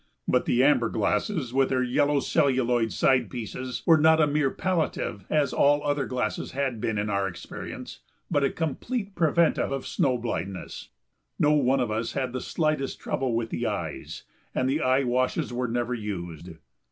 But the amber glasses, with their yellow celluloid side pieces, were not a mere palliative, as all other glasses had been in our experience, but a complete preventive of snow blindness. No one of us had the slightest trouble with the eyes, and the eye washes were never used.